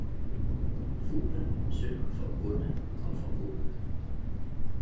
Fuglen synger for onde og for gode!